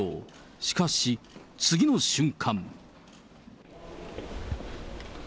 しかし、次の瞬間。